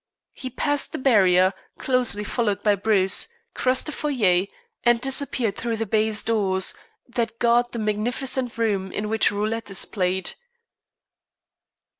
He passed the barrier, closely followed by Bruce, crossed the foyer, and disappeared through the baize doors that guard the magnificent room in which roulette is played.